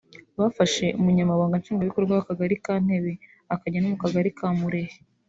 bafashe Umunyamabanga Nshingwabikorwa w’Akagari ka Ntebe akajya no mu kagari ka Murehe